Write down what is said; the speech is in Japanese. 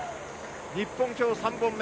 日本、今日３本目。